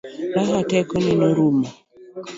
Raha teko ne norumo.